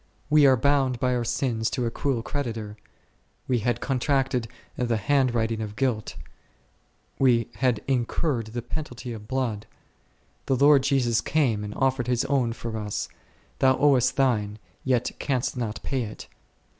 We were bound by our sins to a cruel creditor, we had contracted the hand writing of guilt, we had incurred the penalty of blood ; the Lord Jesus came and offered His own for us ; thou owest thine, yet canst not pay it.